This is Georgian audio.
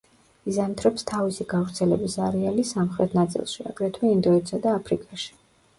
იზამთრებს თავისი გავრცელების არეალის სამხრეთ ნაწილში, აგრეთვე ინდოეთსა და აფრიკაში.